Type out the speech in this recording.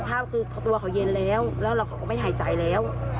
ภาพคือตัวเขาเย็นแล้วแล้วเราก็ไม่หายใจแล้ว